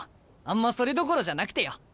あんまそれどころじゃなくてよ。